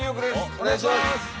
お願いします。